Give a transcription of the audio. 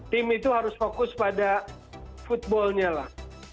tim itu harus fokus pada footballnya lah